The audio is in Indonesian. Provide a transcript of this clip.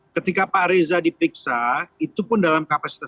ketika pak reza diperiksa itu pun dalam kapasitas